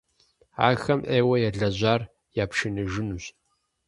Ахэм Ӏейуэ ялэжьар япшыныжынущ.